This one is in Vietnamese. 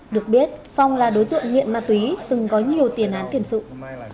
được biết phong là đối tượng nghiện ma túy từng có nhiều tiền án kiểm dụng